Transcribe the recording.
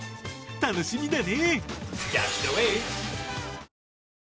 楽しみだね！